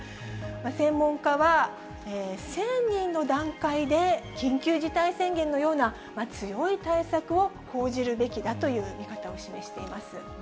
専門家は、１０００人の段階で緊急事態宣言のような強い対策を講じるべきだという見方を示しています。